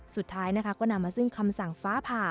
สุดท้ายนะคะก็นำมาซึ่งคำสั่งฟ้าผ่า